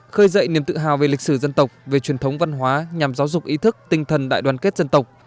khơi dậy niềm tự hào về lịch sử dân tộc về truyền thống văn hóa nhằm giáo dục ý thức tinh thần đại đoàn kết dân tộc